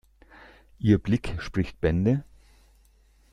Ihr Blick spricht Bände.